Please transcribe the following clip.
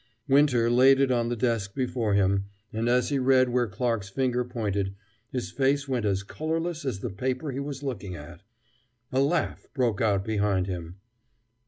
Winter laid it on the desk before him, and as he read where Clarke's finger pointed, his face went as colorless as the paper he was looking at. A laugh broke out behind him.